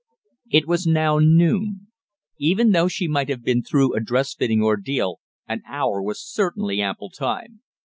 It was now noon. Even though she might have been through a dress fitting ordeal, an hour was certainly ample time.